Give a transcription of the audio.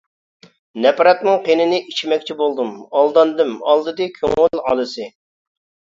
نەپرەتنىڭ قېنىنى ئىچمەكچى بولدۇم، ئالداندىم ئالدىدى كۆڭۈل ئالىسى.